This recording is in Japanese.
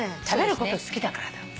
食べること好きだからだ。